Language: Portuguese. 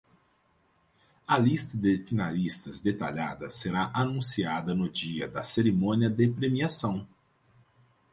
A lista de finalistas detalhada será anunciada no dia da cerimônia de premiação.